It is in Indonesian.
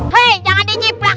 hei jangan di nyiplak